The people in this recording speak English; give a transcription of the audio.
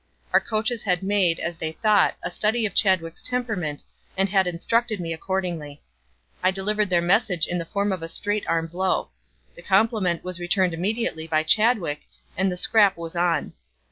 Our coaches had made, as they thought, a study of Chadwick's temperament and had instructed me accordingly. I delivered their message in the form of a straight arm blow. The compliment was returned immediately by Chadwick, and the scrap was on.